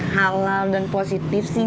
halal dan positif sih